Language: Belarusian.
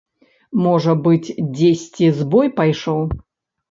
Можа быць, дзесьці збой пайшоў.